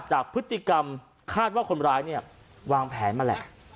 จากพฤติกรรมคาดว่าคนร้ายเนี่ยวางแผนมาแหละ